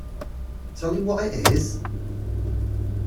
Tell him what it is.